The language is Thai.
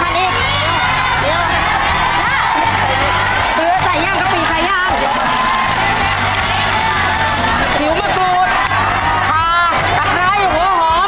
เกลือใส่ย่างกะปิใส่ย่างหิวมะกรูดคาตักร้ายหัวหอม